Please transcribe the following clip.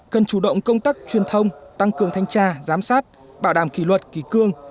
cần chủ động công tắc truyền thông tăng cường thanh tra giám sát bảo đảm kỳ luật kỳ cương